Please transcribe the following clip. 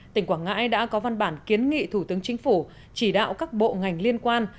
tỉnh quảng ngãi đã có văn bản kiến nghị thủ tướng chính phủ chỉ đạo các bộ ngành liên quan